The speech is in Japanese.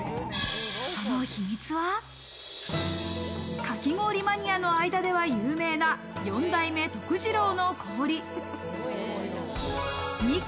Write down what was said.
その秘密は、かき氷マニアの間では有名な四代目徳次郎の氷。